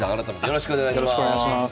よろしくお願いします。